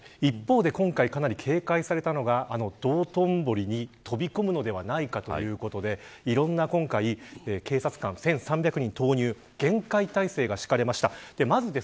一方で、今回かなり警戒されたのが、道頓堀に飛び込むのではないかということでいろいろな今回、警察官１３００人投入で厳戒態勢が敷かれました。